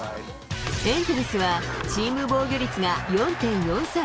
エンゼルスは、チーム防御率は４．４３。